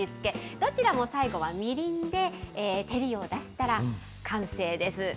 どちらも最後はみりんで照りを出したら、完成です。